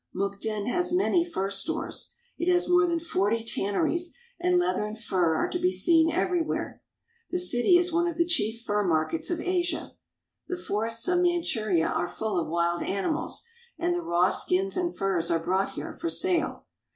Mukden has many fur stores. It has more than forty tanneries, and leather and fur are to be seen everywhere. The city is one of the chief fur markets of Asia. The forests of Manchuria are full of wild animals, and the raw skins and furs are brought here for sale.